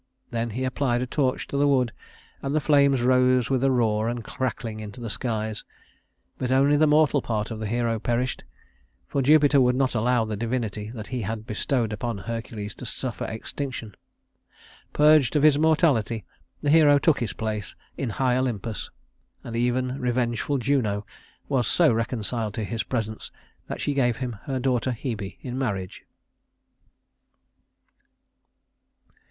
Then he applied a torch to the wood, and the flames rose with a roar and cracking to the skies. But only the mortal part of the hero perished, for Jupiter would not allow the divinity that he had bestowed upon Hercules to suffer extinction. Purged of his mortality, the hero took his place in high Olympus, and even revengeful Juno was so reconciled to his presence, that she gave him her daughter Hebe in marriage.